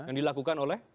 yang dilakukan oleh